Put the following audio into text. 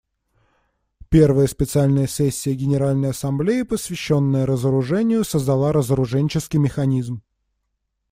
Первая специальная сессия Генеральной Ассамблеи, посвященная разоружению, создала разоруженческий механизм.